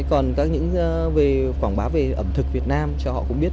còn các những quảng bá về ẩm thực việt nam cho họ cũng biết